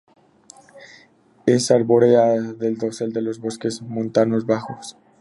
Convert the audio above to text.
Es arbórea del dosel de los bosques montanos bajos.